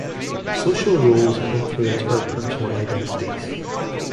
Social roles influence our personal identities.